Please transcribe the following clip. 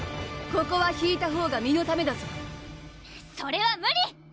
ここはひいたほうが身のためだぞそれは無理！